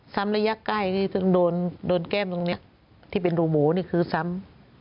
ระยะใกล้ที่ต้องโดนแก้มตรงนี้ที่เป็นรูหมูนี่คือซ้ำ